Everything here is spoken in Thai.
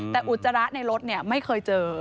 แต่อุจจาระในรถไม่เคยเจอ